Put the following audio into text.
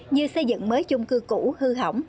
như xây dựng mới chung cư cũ hư hỏng